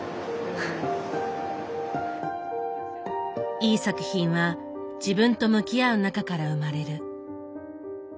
いい作品は自分と向き合う中から生まれる。